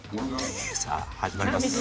さあ始まります。